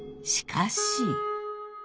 しかし。